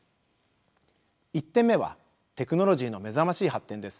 １点目はテクノロジーの目覚ましい発展です。